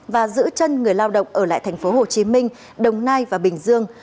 và giữ chân người lao động ở lại thành phố hồ chí minh đồng nai và bình dương